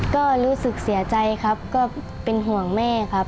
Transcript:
ก็รู้สึกเสียใจครับก็เป็นห่วงแม่ครับ